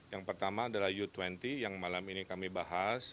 yang pertama adalah u dua puluh yang malam ini kami bahas